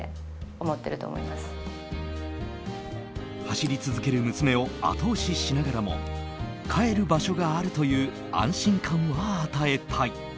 走り続ける娘を後押ししながらも帰る場所があるという安心感は与えたい。